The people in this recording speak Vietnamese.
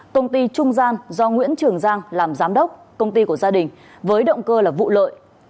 công ty trung gian do nguyễn trường giang làm giám đốc công ty của gia đình với động cơ là vụ lợi